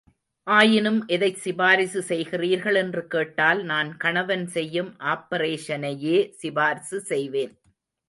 ஆயினும் எதைச் சிபார்சு செய்கிறீர்கள் என்று கேட்டால் நான் கணவன் செய்யும் ஆப்பரேஷனையே சிபார்சு செய்வேன்.